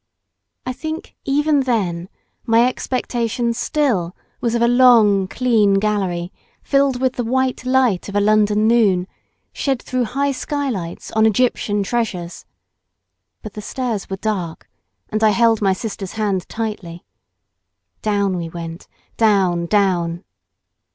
I think even then my expectation still was of a long clean gallery, filled with the white light of a London noon, shed through high skylights on Egyptian treasures. But the stairs were dark, and I held my sister's hand tightly. Down we went, down, down!